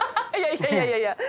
いやいやいやいや。